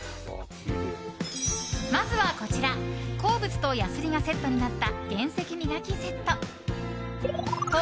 まずはこちら鉱物とやすりがセットになった原石磨きセット。